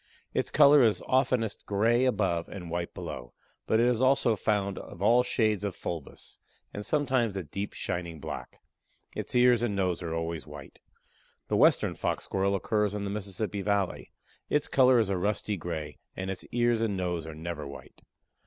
Its color is oftenest gray above and white below, but it is also found of all shades of fulvous, and sometimes a deep shining black; its ears and nose are always white. The Western Fox Squirrel occurs in the Mississippi valley; its color is a rusty grey, and its ears and nose are never white.